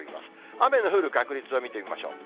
雨の降る確率を見てみましょう。